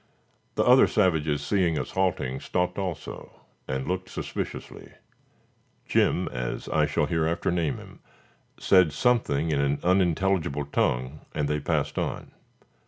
The other savages seeing us halting stopped also, and looked suspiciously. Jim (as I shall hereafter name him) said something in an unintelligible tongue and they passed on.